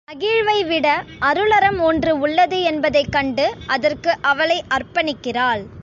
மகிழ்வைவிட அருளறம் ஒன்று உள்ளது என்பதைக் கண்டு அதற்கு அவளை அர்ப்பணிக்கிறாள்.